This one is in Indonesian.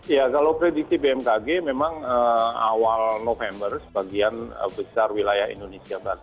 ya kalau prediksi bmkg memang awal november sebagian besar wilayah indonesia